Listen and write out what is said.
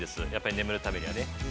眠るためにはね。